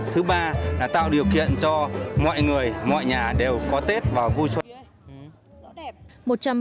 thứ ba là tạo điều kiện cho mọi người mọi nhà đều có tết và vui xuân